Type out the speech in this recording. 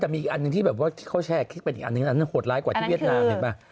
แต่มีอันนึงที่ได้เค้าแชร์โหดร้ายกว่าที่เวียดนาม